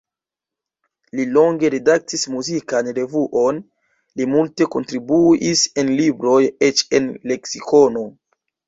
Li longe redaktis muzikan revuon, li multe kontribuis en libroj, eĉ en leksikono.